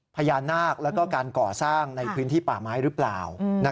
พญานาคแล้วก็การก่อสร้างในพื้นที่ป่าไม้หรือเปล่า